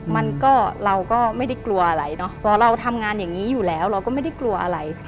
มันก็เราก็ไม่ได้กลัวอะไรเนอะพอเราทำงานอย่างนี้อยู่แล้วเราก็ไม่ได้กลัวอะไร